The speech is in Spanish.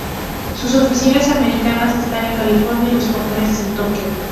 Sus oficinas americanas están en California, y las japonesas en Tokio.